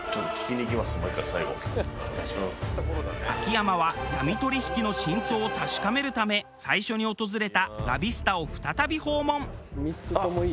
秋山は闇取引の真相を確かめるため最初に訪れたラビスタを再び訪問。